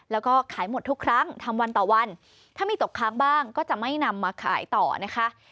แล้วก็ขายหมดทุกครั้งทำวันต่อวันถ้ามีตกค้างบ้างก็จะไม่นำมาขายต่อนะคะ